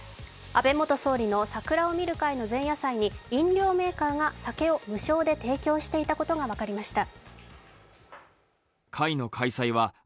安倍元総理の桜を見る会の前夜祭に飲料メーカーが酒を無償で提供していたことが分かりました。